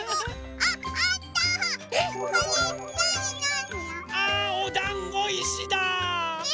あおだんごいしだ！え？